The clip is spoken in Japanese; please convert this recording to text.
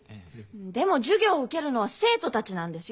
でも授業を受けるのは生徒たちなんですよ？